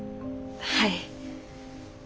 はい。